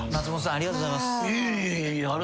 ありがとうございます。